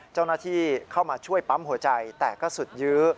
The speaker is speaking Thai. เจ้าหน้าที่เข้ามาช่วยปั๊มหัวใจแต่ก็สุดยื้อ